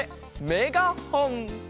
メガホン。